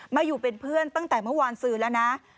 มาอยู่เป็นเพื่อนตั้งแต่เมื่อวานซื้อแล้วนะ